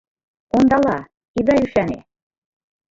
Ондала, ида ӱшане.